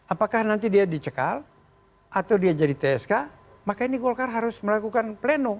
apakah nanti dia dicekal atau dia jadi tsk maka ini golkar harus melakukan pleno